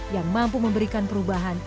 yang mampu memberikan perubahan